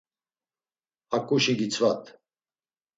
Haǩuşi gitzvat.